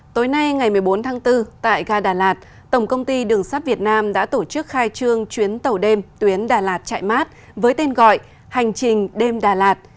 tối nay ngày một mươi bốn tháng bốn tại ga đà lạt tổng công ty đường sắt việt nam đã tổ chức khai trương chuyến tàu đêm tuyến đà lạt chạy mát với tên gọi hành trình đêm đà lạt